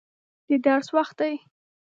د درس وخت دی.